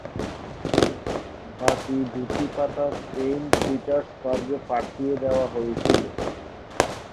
বাকী দুটি পাতা সেইন্ট পিটার্সবার্গে পাঠিয়ে দেয়া হয়েছিল।